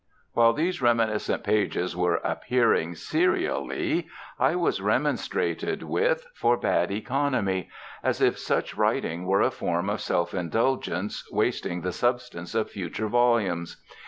While these reminiscent pages were appearing serially I was remonstrated with for bad economy; as if such writing were a form of self indulgence wasting the substance of future volumes.